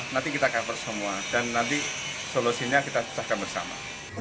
nanti kita cover semua dan nanti solusinya kita pecahkan bersama